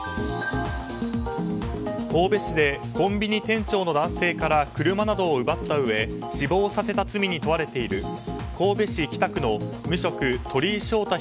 神戸市でコンビニ店長の男性から車などを奪ったうえ死亡させた罪に問われている神戸市北区の無職鳥井翔太